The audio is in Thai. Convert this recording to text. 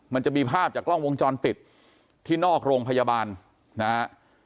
มันจะมีภาพจากกล้องวงจรปิดที่นอกโรงพยาบาลนะฮะ